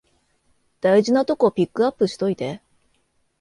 大事なとこピックアップしといて